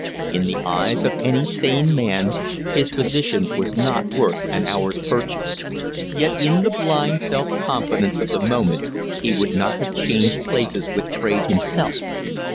In the eyes of any sane man his position was not worth an hour's purchase; yet in the blind self confidence of the moment he would not have changed places with Fraide himself.